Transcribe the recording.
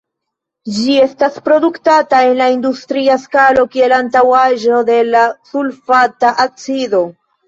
Ĝi estas produktata en industria skalo kiel antaŭaĵo de la sulfata acido.